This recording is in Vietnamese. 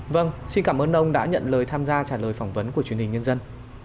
vâng xin cảm ơn ông đã nhận lời tham gia trả lời phỏng vấn của truyền hình nhân dân